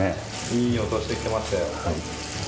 いい音してきましたよ。